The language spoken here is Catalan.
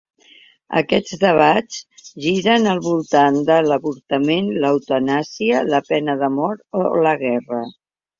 Aquests debats giren al voltant de l'avortament, l'eutanàsia, la pena de mort o la guerra.